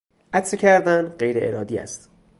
عطسه کردن غیر ارادی است.